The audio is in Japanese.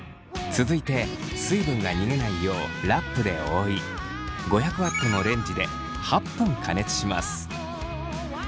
続いて水分が逃げないようラップで覆い５００Ｗのレンジで８分加熱します。